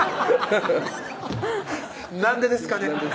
「なんでですかね」